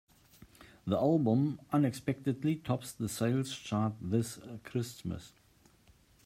The album unexpectedly tops the sales chart this Christmas.